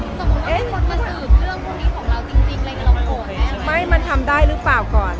มันสืบเรื่องพวกนี้ของเราจริงจริงเลยมันโอเคใช่ไหมไม่มันทำได้หรือเปล่าก่อน